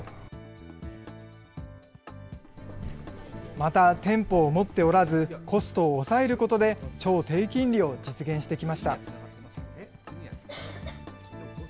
また、店舗を持っておらず、コストを抑えることで、超低金利を実現してきました。